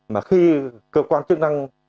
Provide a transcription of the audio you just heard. mà khi cơ quan chức năng